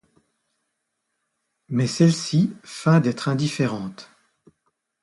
Mais celle-ci feint d'être indifférente.